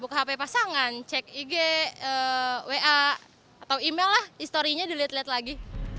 buka hp pasangan cek ig wa atau email lah historinya dilihat lihat lagi